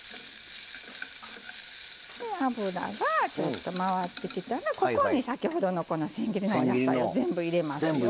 油がちょっと回ってきたらここに先ほどのこのせん切りのお野菜を全部入れますよ。